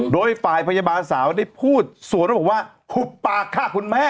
โดยฝ่ายพยาบาลสาวได้พูดสวนมาบอกว่าหุบปากค่ะคุณแม่